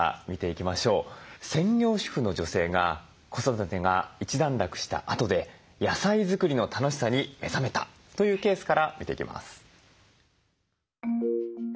専業主婦の女性が子育てが一段落したあとで野菜作りの楽しさに目覚めたというケースから見ていきます。